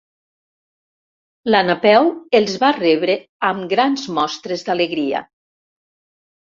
La Napeu els va rebre amb grans mostres d'alegria.